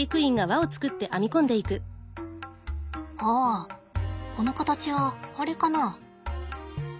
あこの形はあれかな？